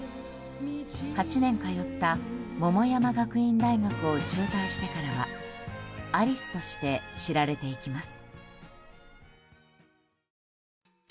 ８年通った桃山学院大学を中退してからはアリスとして知られていきます。